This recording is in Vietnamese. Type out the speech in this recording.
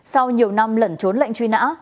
sau nhiều năm lẩn trốn lệnh truy nã